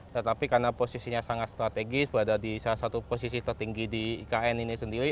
tetapi karena posisinya sangat strategis berada di salah satu posisi tertinggi di ikn ini sendiri